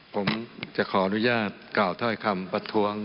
ผมจะขออนุญาตกล่าวถ้อยคำประท้วง